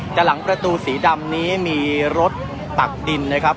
แต่หลังประตูสีดำนี้มีรถตักดินนะครับ